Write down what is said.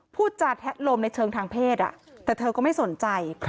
พูดจาแทะโลมในเชิงทางเพศแต่เธอก็ไม่สนใจ